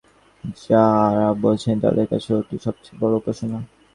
সঙ্গীত সর্বশ্রেষ্ঠ ললিত কলা এবং যাঁরা বোঝেন, তাঁদের কাছে ওটি সবচেয়ে বড় উপাসনা।